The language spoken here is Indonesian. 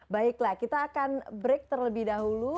baiklah kita akan break terlebih dahulu